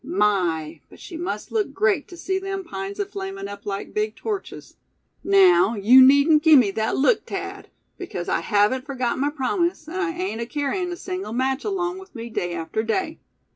"My! but she must look great to see them pines aflamin' up like big torches. Now, you needn't give me that look, Thad, because I haven't forgot my promise, an' I ain't acarryin' a single match along with me day after day.